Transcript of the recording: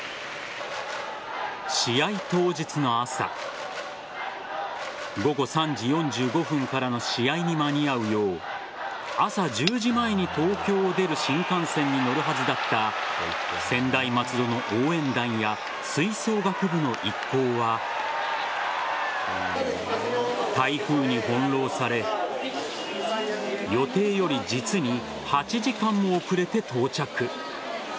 試合当日の朝午後３時４５分からの試合に間に合うよう朝１０時前に東京を出る新幹線に乗るはずだった専大松戸の応援団や吹奏楽部の一行は台風に翻弄され予定より実に８時間も遅れて到着。